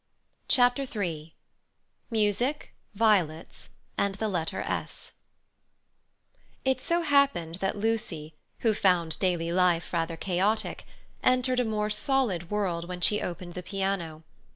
Chapter III Music, Violets, and the Letter "S" It so happened that Lucy, who found daily life rather chaotic, entered a more solid world when she opened the piano.